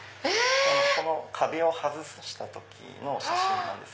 この壁を外した時の写真です。